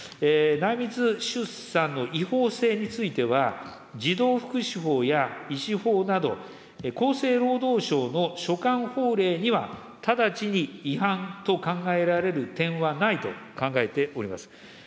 内密出産の違法性については、児童福祉法や医師法など、厚生労働省の所管法令には直ちに違反と考えられる点はないと考えております。